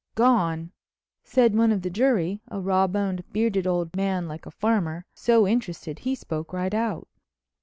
"Gone!" said one of the jury—a raw boned, bearded old man like a farmer—so interested, he spoke right out.